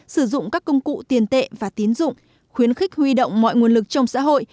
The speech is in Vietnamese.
sử dụng các công cụ tiền tệ và tiến dụng khuyến khích huy động mọi nguồn lực trong xã hội